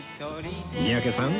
三宅さん